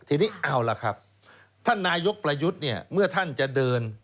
ทีนี้เอาล่ะครับท่านนายกประยุทธ์เนี่ยเมื่อท่านจะเดิน